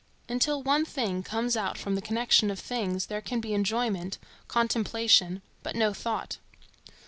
Until one thing comes out from the connection of things, there can be enjoyment, contemplation, but no thought.